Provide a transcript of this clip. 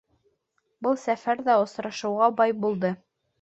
Был сәфәр ҙә осрашыуҙарға бай булды.